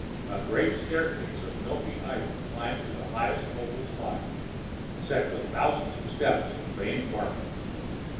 A great staircase of milky ivory climbed to the highest opal spire, set with thousands of steps of veined marble.